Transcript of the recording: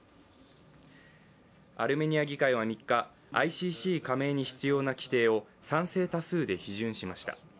アルメニア議会は３日、ＩＣＣ加盟に必要な規定を賛成多数で批准しました。